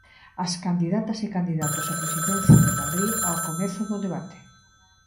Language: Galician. As candidatas e candidatos á Presidencia de Madrid ao comezo do debate.